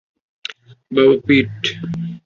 বাবা, পিট!